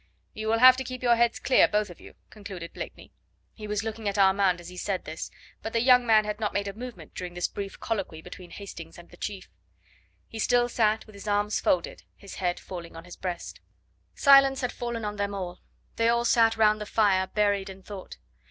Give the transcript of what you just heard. "You will have to keep your heads clear, both of you," concluded Blakeney. He was looking at Armand as he said this; but the young man had not made a movement during this brief colloquy between Hastings and the chief. He still sat with arms folded, his head falling on his breast. Silence had fallen on them all. They all sat round the fire buried in thought.